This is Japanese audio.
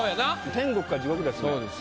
天国か地獄ですもう。